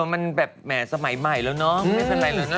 มันแบบแหมสมัยใหม่แล้วเนาะไม่เป็นไรแล้วนะ